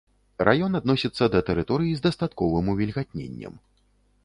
Раён адносіцца да тэрыторый з дастатковым увільгатненнем.